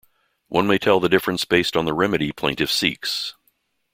One may tell the difference based on the remedy plaintiff seeks.